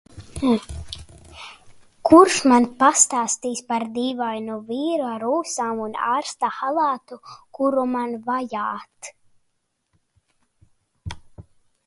Kurš man pastāstīs par dīvainu vīru ar ūsām un ārsta halātu kuru man vajāt?